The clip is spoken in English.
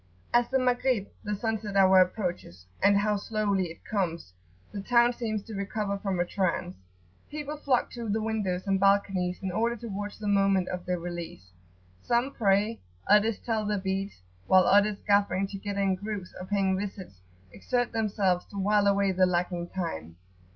As the Maghrib, the sunset hour, approaches and how slowly it comes! the town seems to recover from a trance. People flock to the windows and balconies, in order to watch the moment of their release. Some pray, others tell their beads; while others, gathering together in groups or paying visits, exert themselves to while away the lagging time.